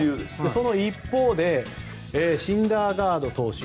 その一方で、シンダーガード投手